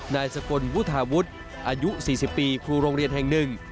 นายสกลวุฒาวุฒิอายุ๔๐ปีครูโรงเรียนแห่งหนึ่ง